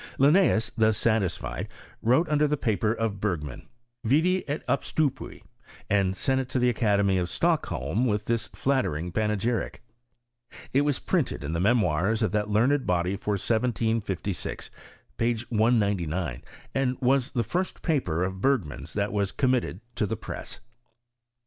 linneeus, thus satisfied, wrote under the paper of Bergman, Vidi et obstupuij and sent it to the academy of Stockholm with this flattering panegyric. It was printed in the Memoirs of that teamed body for 1756 (p. 199), and was the first paper of Bergman's that was committed to the press.